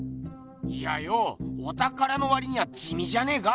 いやよぉおたからのわりにはじみじゃねえか？